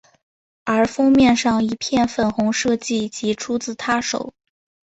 而封面上一片粉红设计即出自她手。